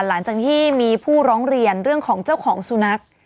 หลังจากที่มีผู้ร้องเรียนเรื่องของเจ้าของสุนัข